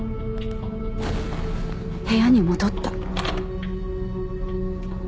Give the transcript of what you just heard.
部屋に戻った。